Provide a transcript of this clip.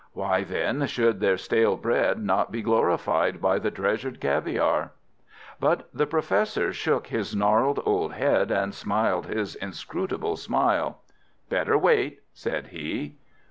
Why, then, should their stale bread not be glorified by the treasured caviare? But the Professor shook his gnarled old head and smiled his inscrutable smile. "Better wait," said he.